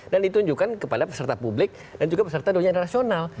dan ditunjukkan kepada peserta publik dan juga peserta dunia internasional